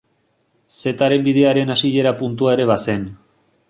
Zetaren Bidearen hasiera puntua ere bazen.